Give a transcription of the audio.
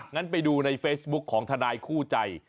งั้นไปดูในเฟซบุ๊คของทนายคู่ใจ